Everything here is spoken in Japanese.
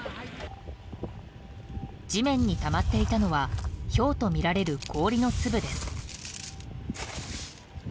地面にたまっていたのはひょうとみられる氷の粒です。